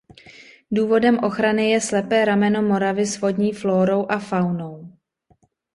Důvodem ochrany je slepé rameno Moravy s vodní flórou a faunou.